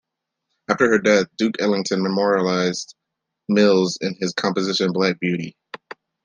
After her death, Duke Ellington memorialized Mills in his composition "Black Beauty".